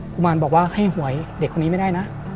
กุมารบอกว่าให้หวยเด็กคนนี้ไม่ได้นะ